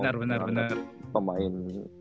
lahir atau keturunan nih